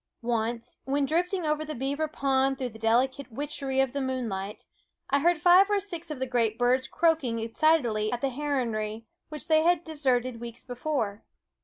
Once, when drifting over the beaver pond through the delicate witchery of the moonlight, I heard five or six of the great birds croaking excitedly at the heronry, which they had deserted weeks before.